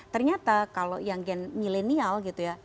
ternyata kalau yang gen milenial gitu ya